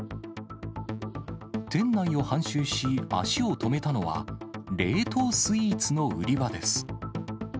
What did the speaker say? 店内を半周し、足を止めたのは、冷凍スイーツの売り場です。